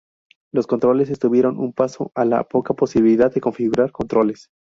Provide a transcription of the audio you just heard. Los controles estuvieron un paso a la poca posibilidad de configurar controles.